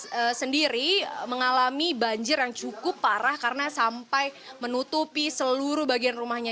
saya sendiri mengalami banjir yang cukup parah karena sampai menutupi seluruh bagian rumahnya